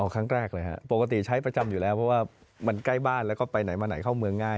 ครั้งแรกเลยฮะปกติใช้ประจำอยู่แล้วเพราะว่ามันใกล้บ้านแล้วก็ไปไหนมาไหนเข้าเมืองง่าย